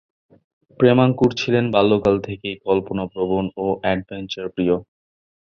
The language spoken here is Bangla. প্রেমাঙ্কুর ছিলেন বাল্যকাল থেকেই কল্পনাপ্রবণ ও অ্যাডভেঞ্চারপ্রিয়।